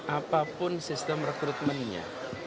apapun sistem rekrutmennya